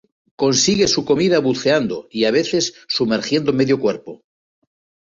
Consigue su comida buceando y a veces sumergiendo medio cuerpo.